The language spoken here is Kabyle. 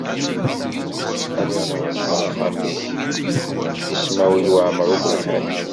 Ad tezzenzeḍ axxam-ik i Smawil Waɛmaṛ U Belḥaǧ?